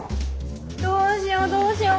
どうしようどうしよう。